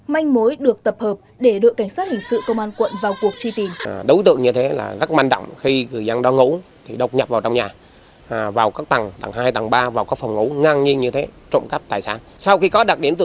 manh mối được tập hợp để đưa cảnh sát hình sự công an quận vào cuộc tri tìm